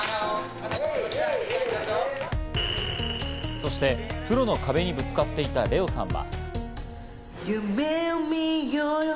そしてプロの壁にぶつかっていたレオさんは。